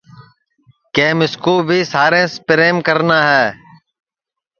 کہ مِسکُو بھی ساریںٚس پریم کرنا ہے